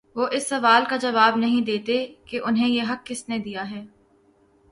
وہ اس سوال کا جواب نہیں دیتے کہ انہیں یہ حق کس نے دیا ہے۔